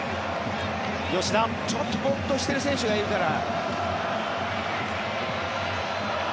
ちょっとボーッとしている選手がいるから。